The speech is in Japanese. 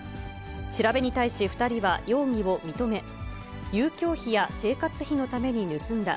調べに対し、２人は容疑を認め、遊興費や生活費のために盗んだ。